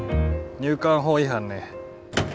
入管法違反ね。